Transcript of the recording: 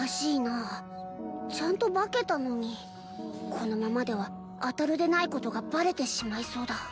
このままではあたるでないことがバレてしまいそうだ